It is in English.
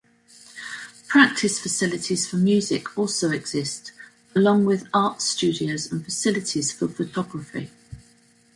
Practice facilities for music also exist, along with art studios and facilities for photography.